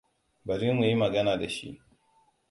Bari mu yi magana da shi.